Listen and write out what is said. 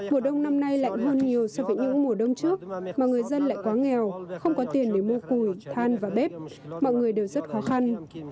mùa đông năm nay lạnh hơn nhiều so với những mùa đông trước mà người dân lại quá nghèo không có tiền để mua củi than và bếp mọi người đều rất khó khăn